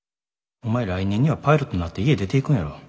お前来年にはパイロットになって家出ていくんやろ。